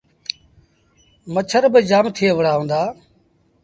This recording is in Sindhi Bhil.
مڇر با جآم ٿئي وُهڙآ هُݩدآ۔